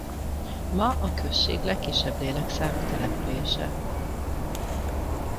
Ma a község legkisebb lélekszámú települése.